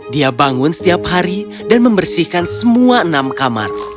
dia bangun setiap hari dan membersihkan semua enam kamar